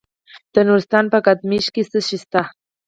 د نورستان په کامدیش کې څه شی شته؟